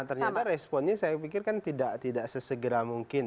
ternyata responnya saya pikir kan tidak sesegera mungkin